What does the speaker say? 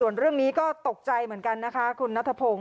ส่วนเรื่องนี้ก็ตกใจเหมือนกันนะคะคุณนัทพงศ